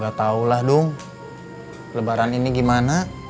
gak tau lah dong lebaran ini gimana